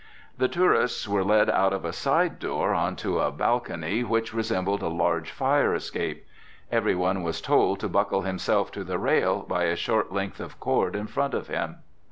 The tourists were led out of a side door onto a balcony which resembled a large fire escape. Everyone was told to buckle himself to the rail by a short length of cord in front of him.